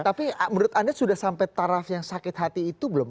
tapi menurut anda sudah sampai taraf yang sakit hati itu belum